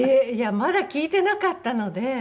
まだ聞いてなかったので。